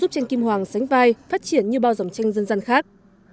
các dòng tranh kim hoàng sánh vai phát triển như bao dòng tranh dân gian khác